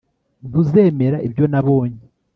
Ntuzemera ibyo nabonye